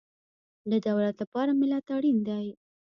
د دولت لپاره ملت اړین دی